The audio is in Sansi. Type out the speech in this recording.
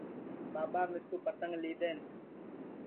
ٻاٻا مِسکُو پتنٚگ لی دؔئین